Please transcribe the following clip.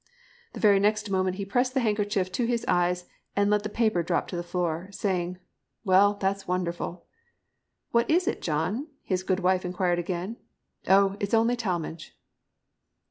The very next moment he pressed the handkerchief to his eyes and let the paper drop to the floor, saying, 'Well, that's wonderful.' 'What is it, John?' his good wife inquired again. 'Oh! It's only Talmage!'"